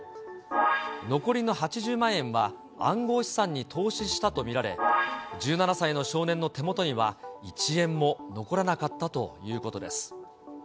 残りの８０万円は、暗号資産に投資したと見られ、１７歳の少年の手元には一円も残らなかったということです。